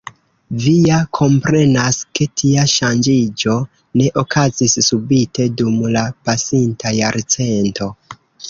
Vi ja komprenas, ke tia ŝanĝiĝo ne okazis subite dum la pasinta jarcento.